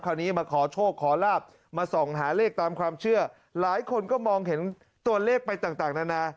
มาขอโชคขอลาบมาส่องหาเลขตามความเชื่อหลายคนก็มองเห็นตัวเลขไปต่างต่างนานา